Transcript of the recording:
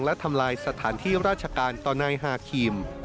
และทำลายสถานที่ราชการต่อนายฮาครีม